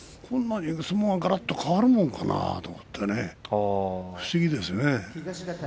こんなに相撲ががらっと変わるもんかなと思って不思議ですよね。